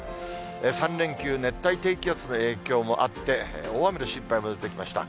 ３連休、熱帯低気圧の影響もあって、大雨の心配も出てきました。